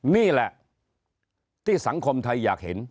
นี่แหละที่สังคมไทยอยากเห็น